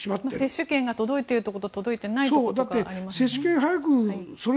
接種券が届いてるところと届いてないところがありますね。